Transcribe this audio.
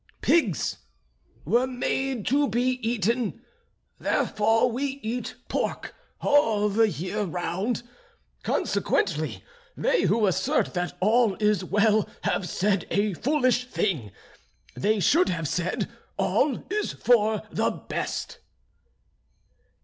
Pigs were made to be eaten therefore we eat pork all the year round. Consequently they who assert that all is well have said a foolish thing, they should have said all is for the best."